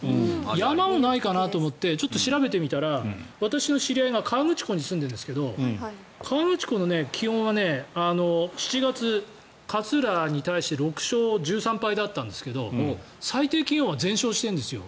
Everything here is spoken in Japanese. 山もないかなと思ってちょっと調べてみたら私の知り合いが河口湖に住んでるんですけど河口湖の気温は７月、勝浦に対して６勝１３敗だったんですが最低気温は全勝してるんですよ。